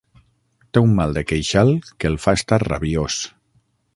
Té un mal de queixal que el fa estar rabiós.